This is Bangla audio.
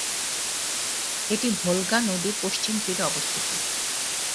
এটি ভোলগা নদীর পশ্চিম তীরে অবস্থিত।